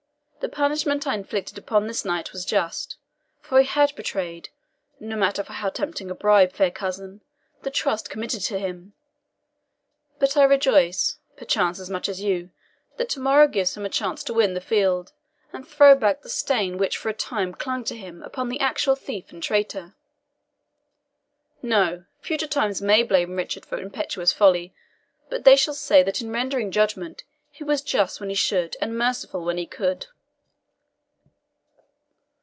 The punishment I inflicted upon this knight was just; for he had betrayed no matter for how tempting a bribe, fair cousin the trust committed to him. But I rejoice, perchance as much as you, that to morrow gives him a chance to win the field, and throw back the stain which for a time clung to him upon the actual thief and traitor. No! future times may blame Richard for impetuous folly, but they shall say that in rendering judgment he was just when he should and merciful when he could."